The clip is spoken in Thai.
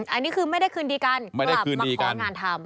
อันนี้คือไม่ได้คืนดีกันกลับมาของานทำ